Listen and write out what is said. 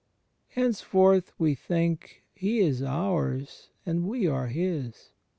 Hence forth, we think, He is oxirs and we are His.